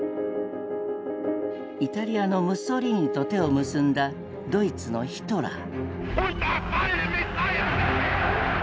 イタリアのムッソリーニと手を結んだドイツのヒトラー。